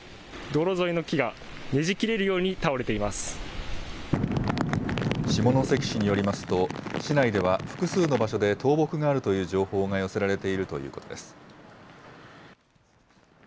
道路沿いの木がねじ切れるように下関市によりますと、市内では複数の場所で倒木があるという情報が寄せられているということです。